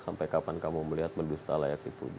sampai kapan kamu melihat mendusta layak itu